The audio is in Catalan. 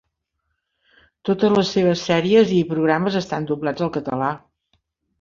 Totes les seves sèries i programes estan doblats al català.